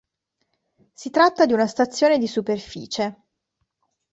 Si tratta di una stazione di superficie.